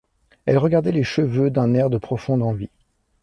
Elle regardait les cheveux d’un air de profonde envie.